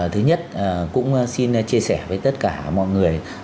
thứ nhất cũng xin chia sẻ với tất cả mọi người